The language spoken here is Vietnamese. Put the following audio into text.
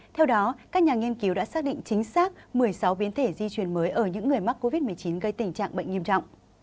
theo đó các nhà nghiên cứu đã xác định chính xác một mươi sáu biến thể di chuyển mới ở những người mắc covid một mươi chín gây tình trạng bệnh nghiêm trọng